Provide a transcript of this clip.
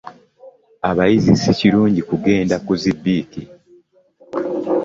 Abayizi si kirungi kugenda ku zi bbiiki.